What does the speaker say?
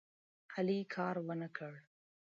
علي کار ونه کړ.